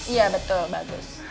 iya betul bagus